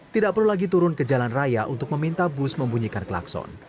tidak perlu lagi turun ke jalan raya untuk meminta bus membunyikan klakson